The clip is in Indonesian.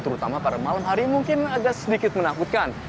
terutama pada malam hari mungkin agak sedikit menakutkan